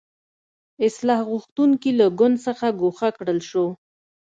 اصلاح غوښتونکي له ګوند څخه ګوښه کړل شو.